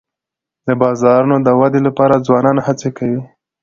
د بازارونو د ودي لپاره ځوانان هڅې کوي.